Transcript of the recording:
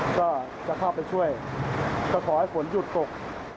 ก็จะเข้าไปช่วยก็ขอให้ฝนหยุดตก